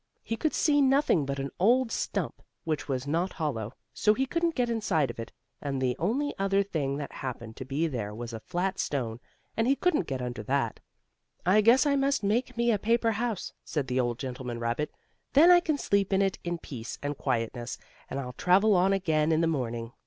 He could see nothing but an old stump, which was not hollow, so he couldn't get inside of it, and the only other thing that happened to be there was a flat stone, and he couldn't get under that. "I guess I must make me a paper house," said the old gentleman rabbit. "Then I can sleep in it in peace and quietness, and I'll travel on again in the morning."